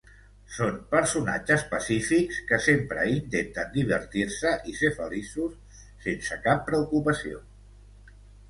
Són personatges pacífics que sempre intenten divertir-se i ser feliços, sense cap preocupació.